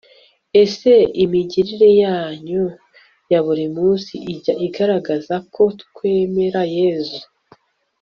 ese imigirire yacu ya buri munsi ijya igaragazako twemera yezu